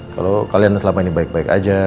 kalau kalian selama ini baik baik aja